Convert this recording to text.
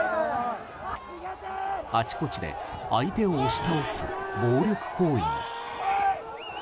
あちこちで相手を押し倒す暴力行為も。